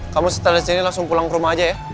kamu setelah disini langsung pulang ke rumah aja ya